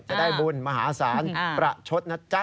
จะได้บุญมหาศาลประชดนะจ๊ะ